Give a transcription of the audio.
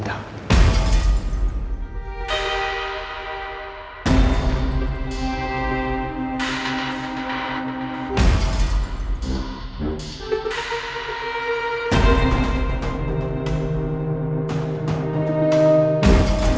jadi jangan lupa nanti nanti